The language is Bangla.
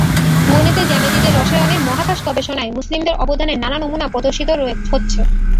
গণিতে, জ্যামিতিতে, রসায়নে, মহাকাশ গবেষণায় মুসলিমদের অবদানের নানা নমুনা প্রদর্শিত হচ্ছে।